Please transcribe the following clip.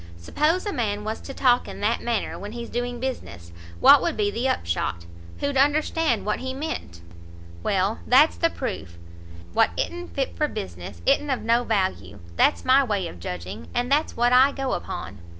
Suppose a man was to talk in that manner when he's doing business, what would be the upshot? who'd understand what he meant? Well, that's the proof; what i'n't fit for business, i'n't of no value; that's my way of judging, and that's what I go upon."